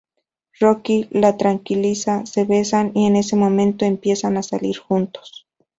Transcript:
Rocky la tranquiliza, se besan y en ese momento empiezan a salir juntos.